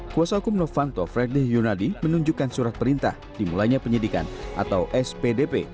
kuasa hukum novanto fredrik yunadi menunjukkan surat perintah dimulainya penyidikan atau spdp